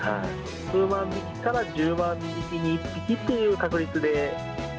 数万匹から１０万匹に１匹という確率で。